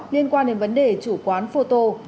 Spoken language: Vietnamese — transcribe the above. liên quan đến vấn đề chủ quán photocopy